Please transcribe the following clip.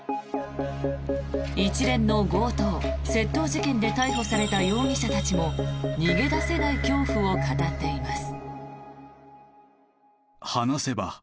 一連の強盗・窃盗事件で逮捕された容疑者たちも逃げ出せない恐怖を語っています。